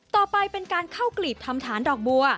ต่อไปเป็นการเข้ากลีบทำฐานดอกบัว